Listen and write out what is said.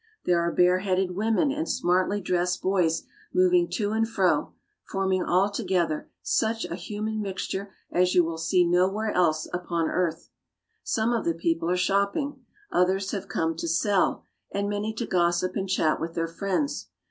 There are bare headed women and smartly dressed boys moving to and fro, forming all together such a human mixture as you will see nowhere else upon earth. Some of the people are shopping. Others have come to sell, and many to gossip and chat with their friends.